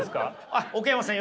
あっ奥山さん